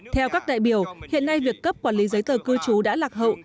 theo các đại biểu hiện nay việc cấp quản lý giấy tờ cư trú đã lạc hậu